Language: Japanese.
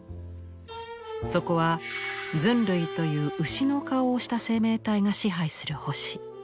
そこは「ズン類」という牛の顔をした生命体が支配する星。